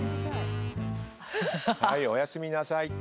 はいおやすみなさい。